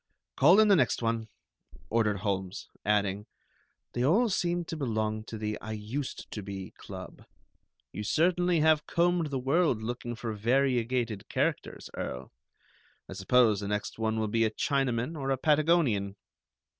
Call in the next one," ordered Holmes; adding: "They all seem to belong to the 'I used to be' club. You certainly have combed the world looking for variegated characters, Earl. I suppose the next one will be a Chinaman or a Patagonian."